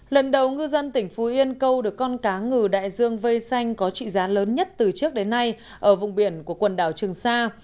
lần đầu ngư dân tỉnh phú yên câu được con cá ngừ đại dương vây xanh có trị giá lớn nhất từ trước đến nay ở vùng biển của quần đảo trường sa